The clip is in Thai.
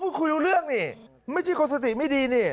ลุงโตคุยด้วยเรื่องหนิไม่ใช่ความสติดมิดีนี่